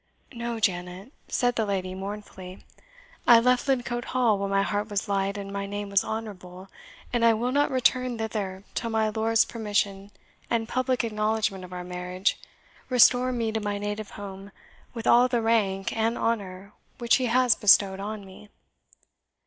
"No, Janet," said the lady mournfully; "I left Lidcote Hall while my heart was light and my name was honourable, and I will not return thither till my lord's permission and public acknowledgment of our marriage restore me to my native home with all the rank and honour which he has bestowed on me."